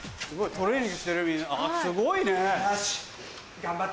トレーニングしてるみんなすごいね！